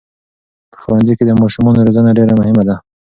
په ښوونځي کې د ماشومانو روزنه ډېره مهمه ده.